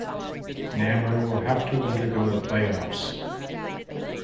Namur will have to undergo the playoffs.